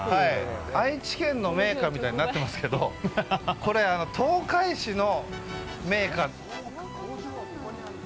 愛知県の銘菓みたいになってますけどこれ東海市の銘菓なんです。